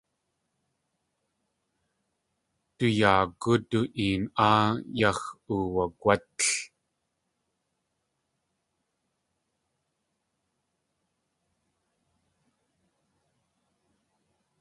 Du yaagú du een áa yax̲ uwagwátl.